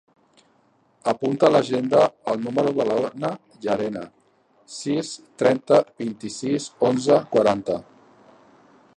Apunta a l'agenda el número de l'Ona Llarena: sis, trenta, vint-i-sis, onze, quaranta.